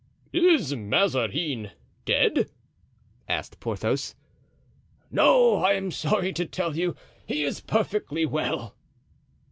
"Is Mazarin dead?" asked Porthos. "No; I am sorry to tell you he is perfectly well."